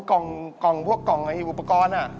กล่องพวกกล่องอุปกรณ์